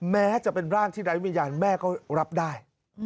แม้จะเป็นร่างที่ไร้วิญญาณแม่ก็รับได้